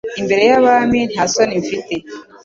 imbere y’abami nta soni mfite